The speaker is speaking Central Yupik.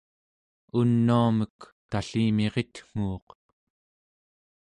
unuamek tallimiritnguuq